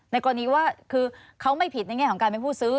กรณีว่าคือเขาไม่ผิดในแง่ของการเป็นผู้ซื้อ